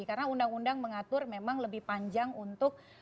karena undang undang mengatur memang lebih panjang untuk